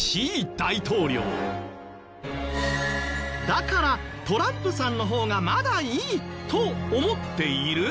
だからトランプさんの方がまだいいと思っている？